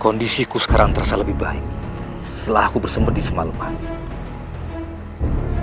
kondisiku sekarang terasa lebih baik setelah aku bersemur di semalem ini